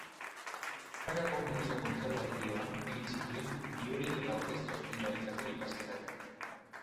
Pragako Musika Kontserbatorioan egin zituen biolin eta orkestra-zuzendaritzako ikasketak.